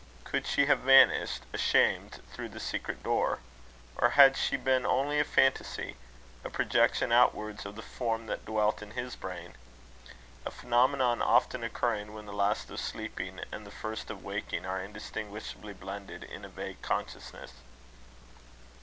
Could she have vanished ashamed through the secret door? Or had she been only a phantasy, a projection outwards of the form that dwelt in his brain; a phenomenon often occurring when the last of sleeping and the first of waking are indistinguishably blended in a vague consciousness?